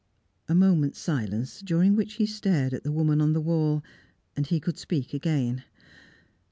A moment's silence, during which he stared at the woman on the wall, and he could speak again.